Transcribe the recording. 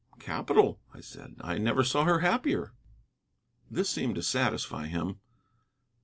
"Capital," I said; "I never saw her happier." This seemed to satisfy him.